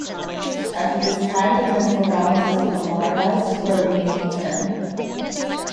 After this time, the principal balance is amortized for the remaining term.